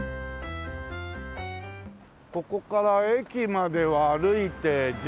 ここから駅までは歩いて１０分かな。